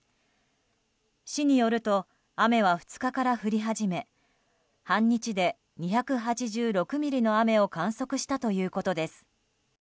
市によると雨は２日から降り始め半日で２８６ミリの雨を観測したということです。